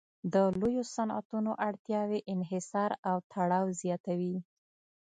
د لویو صنعتونو اړتیاوې انحصار او تړاو زیاتوي